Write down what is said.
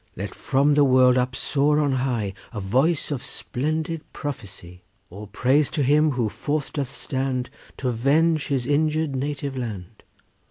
Let from the world upsoar on high A voice of splendid prophecy! All praise to him who forth doth stand To 'venge his injured native land!